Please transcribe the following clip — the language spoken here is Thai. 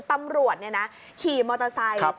ตำรวจเนี่ยนะขี่มอเตอร์ไซค์